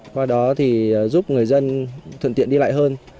qua đó thì giúp người dân thuận tiện đi lại hơn